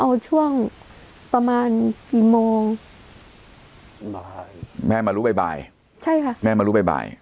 เอาช่วงประมาณกี่โมงบ่ายแม่มารู้บ่ายใช่ค่ะแม่มารู้บ่าย